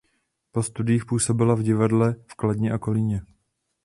Po studiích působila v divadlech v Kladně a v Kolíně.